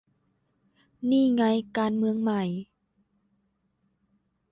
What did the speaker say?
นี่ไง การเมืองใหม่